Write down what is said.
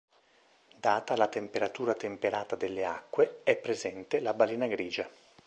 Data la temperatura temperata delle acque è presente la balena grigia.